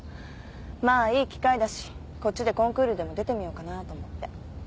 まあいい機会だしこっちでコンクールでも出てみようかなぁと思って。